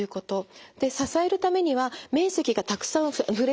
で支えるためには面積がたくさん触れてる方がいいです。